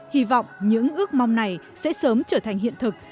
hy vọng những ước mong này sẽ sớm trở thành hiện thực